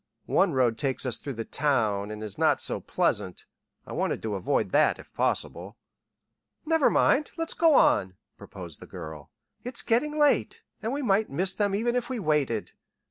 One road takes us through the town and is not so pleasant. I wanted to avoid that if possible." "Never mind; let's go on," proposed the girl. "It's getting late, and we might miss them even if we waited.